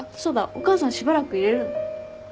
お母さんしばらくいれるの？